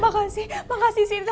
makasih makasih siva